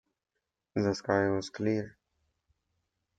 The sky was clear.